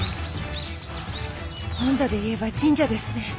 本土でいえば神社ですね。